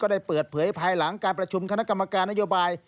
ได้เปิดเผยภายหลังการประชุมคณะกรรมการนโยบาย